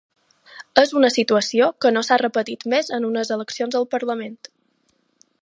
És una situació que no s’ha repetit més en unes eleccions al parlament.